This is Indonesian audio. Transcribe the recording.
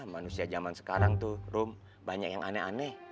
manusia zaman sekarang tuh room banyak yang aneh aneh